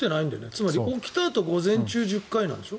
つまり起きたあと午前中１０回なんでしょ？